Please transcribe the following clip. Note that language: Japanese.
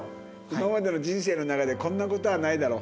今までの人生の中でこんな事はないだろ？